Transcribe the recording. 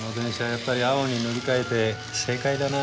やっぱり青に塗り替えて正解だな。